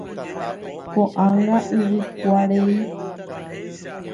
Ko'ág̃a yvykuarei.